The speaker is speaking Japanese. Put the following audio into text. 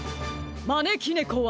まねきねこは。